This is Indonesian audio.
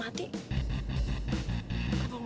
jadi kita harus pergi